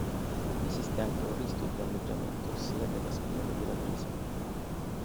Esiste anche un rischio di danneggiamento sia della spina che della presa.